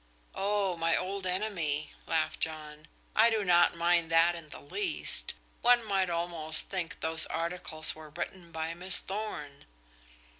"Oh, my old enemy," laughed John. "I do not mind that in the least. One might almost think those articles were written by Miss Thorn."